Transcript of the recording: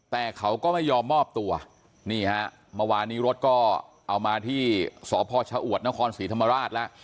แต่เขาก็ไม่ยอมมอบตัวนี่ฮะเมื่อวานนี้รถก็เอามาที่สพชะอวดนครศรีธรรมราชแล้ว